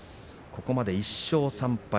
ここまで１勝３敗。